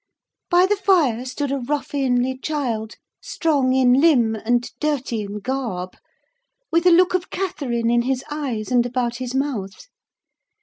By the fire stood a ruffianly child, strong in limb and dirty in garb, with a look of Catherine in his eyes and about his mouth.